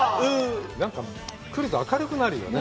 なんか来ると明るくなるよね。